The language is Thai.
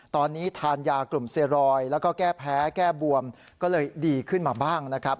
ตอนนี้ทานยากลุ่มเซรอยแล้วก็แก้แพ้แก้บวมก็เลยดีขึ้นมาบ้างนะครับ